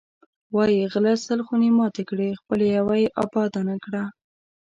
وایی غله سل خونې ماتې کړې، خپله یوه یې اباده نه کړه.